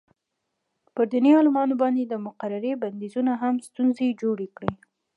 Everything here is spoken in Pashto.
پر دیني عالمانو باندې د مقررې بندیزونو هم ستونزې جوړې کړې.